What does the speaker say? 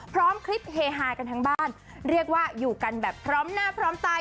พร้อมคลิปเฮฮากันทั้งบ้านเรียกว่าอยู่กันแบบพร้อมหน้าพร้อมตา